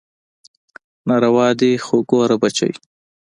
ناروا دي خو ګوره بچى.